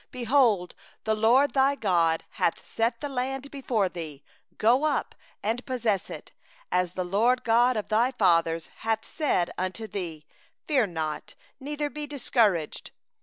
21Behold, the LORD thy God hath set the land before thee; go up, take possession, as the LORD, the God of thy fathers, hath spoken unto thee; fear not, neither be dismayed.